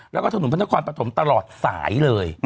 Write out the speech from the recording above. แล้วก็สนุนพันธกรประถมตลอดสายเลย